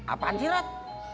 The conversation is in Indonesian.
apaan sih rat